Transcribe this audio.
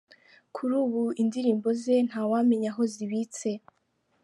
Kuri ubu indirimbo ze ntawamenya aho zibitse.